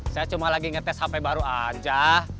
saya cuma lagi ngetes hp baru aja